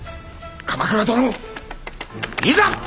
鎌倉殿いざ！